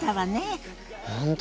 本当